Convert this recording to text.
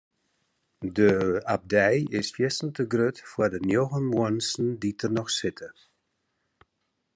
De abdij is fierstente grut foar de njoggen muontsen dy't der noch sitte.